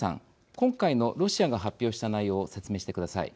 今回のロシアが発表した内容を説明してください。